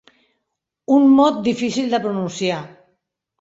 Un mot difícil de pronunciar.